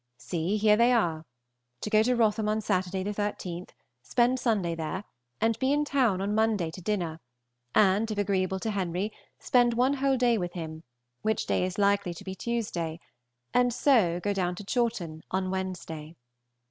See, here they are: To go to Wrotham on Saturday the 13th, spend Sunday there, and be in town on Monday to dinner, and if agreeable to Henry, spend one whole day with him, which day is likely to be Tuesday, and so go down to Chawton on Wednesday.